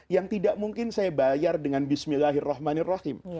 yang tidak mungkin saya bayar dengan bismillahirrahmanirrahim